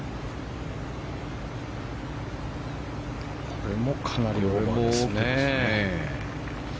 これもかなりオーバーですね。